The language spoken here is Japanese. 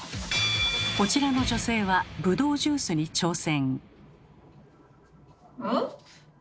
こちらの女性はぶどうジュースに挑戦。